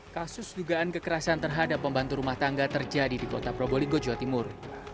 kasus dugaan kekerasan terhadap pembantu rumah tangga terjadi di kota probolinggo jawa timur